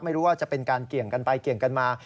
ไม่รู้ว่าจะเป็นการเกี่ยงกันไปเกี่ยงกันมา